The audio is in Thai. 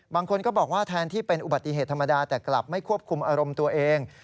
บางคนก็บอกว่าแทนที่เป็นอุบัติเหตุธรรมดาแต่กลับไม่ควบคุมอารมณ์ตัวเอง